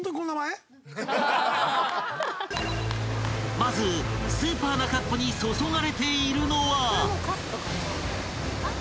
［まずスーパーなカップに注がれているのは］